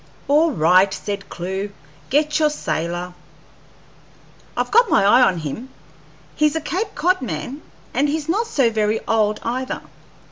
"All right," said Clewe; "get your sailor." "I've got my eye on him; he's a Cape Cod man, and he's not so very old either.